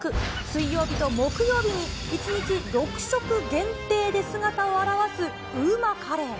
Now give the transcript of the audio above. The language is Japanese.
水曜日と木曜日に１日６食限定で姿を現すＵＭＡカレー。